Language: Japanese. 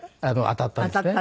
当たったんですね。